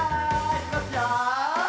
いきますよ。